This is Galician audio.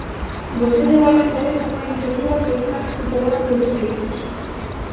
Vostede volve traer unha iniciativa que está superada polos feitos.